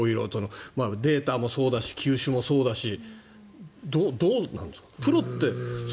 データもそうだし球種もそうだしどうなんですか？